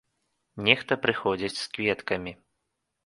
Нехта прыходзіць з кветкамі.